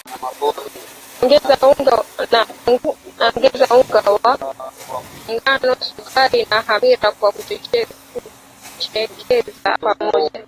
Ongeza unga wa ngano sukari na hamira kwa kuchekecha pamoja